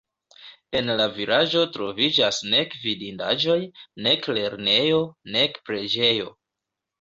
En la vilaĝo troviĝas nek vidindaĵoj, nek lernejo, nek preĝejo.